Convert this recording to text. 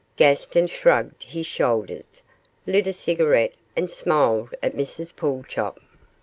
Gaston shrugged his shoulders, lit a cigarette, and smiled at Mrs Pulchop.